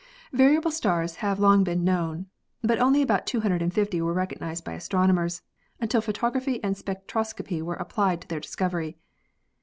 Variable stars have long been known, but only about 250 were recognised by astronomers until photography and spectroscopy were applied to their discovery.